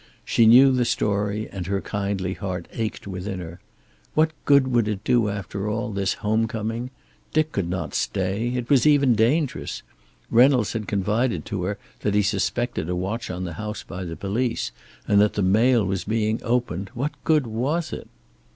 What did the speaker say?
She knew the story, and her kindly heart ached within her. What good would it do after all, this home coming? Dick could not stay. It was even dangerous. Reynolds had confided to her that he suspected a watch on the house by the police, and that the mail was being opened. What good was it?